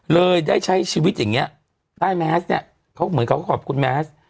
เลยได้ใช้ชีวิตอย่างเงี้ยใต้แมสเนี่ยเขาเหมือนเขาก็ขอบคุณแมส